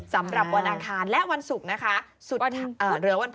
สำหรับวันอังคารและวันศุกร์นะคะ